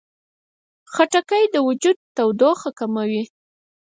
خټکی د وجود تودوخه کموي.